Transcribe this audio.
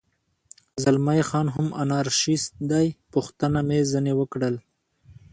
زلمی خان هم انارشیست دی، پوښتنه مې ځنې وکړل.